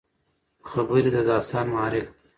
خبرې د داستان محرک دي.